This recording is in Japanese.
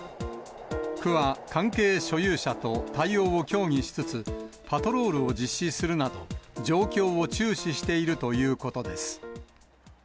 区は関係所有者と対応を協議しつつ、パトロールを実施するなど、状況を注視しているということです。